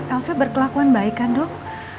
elsa berkelakuan baik kan dok